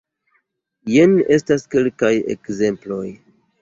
Jen estas kelkaj ekzemploj.